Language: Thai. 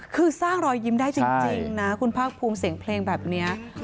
อ๋อคือสร้างรอยยิ้มคนพ่อภูมิสัยเพลงได้จริงครับ